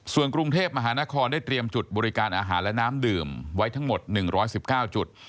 ส่วนกรุงเทพมหานครได้เตรียมจุดบริการอาหารและน้ำดื่มไว้ทั้งหมด๑๑๙จุด